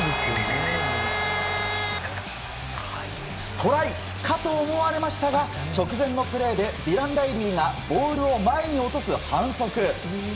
トライかと思われましたが直前のプレーでディラン・ライリーがボールを前に落とす反則。